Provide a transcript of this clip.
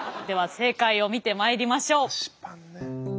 では正解を見てまいりましょう。